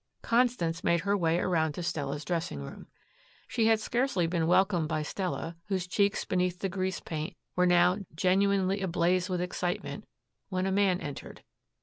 Constance made her way around to Stella's dressing room. She had scarcely been welcomed by Stella, whose cheeks beneath the grease paint were now genuinely ablaze with excitement, when a man entered.